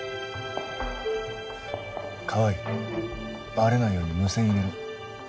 川合バレないように無線入れろ。